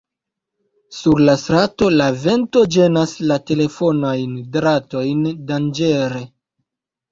Sur la strato, la vento ĝenas la telefonajn dratojn danĝere.